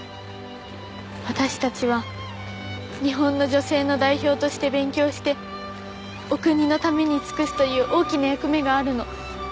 私たちは日本の女性の代表として勉強してお国のために尽くすという大きな役目があるの。